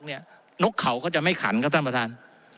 นกเขาก็จะไม่ขันครับท่านประธาน